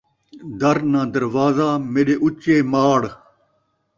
در ناں دروازہ میݙے اُچے ماڑ